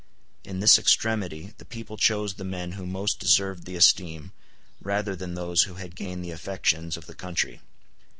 In this extremity the people chose the men who most deserved the esteem, rather than those who had gained the affections, of the country.